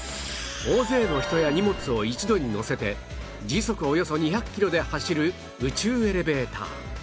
大勢の人や荷物を一度にのせて時速およそ２００キロで走る宇宙エレベーター